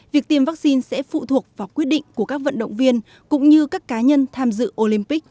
việc tiêm vaccine sẽ phụ thuộc vào quyết định của các vận động viên cũng như các cá nhân tham dự olympic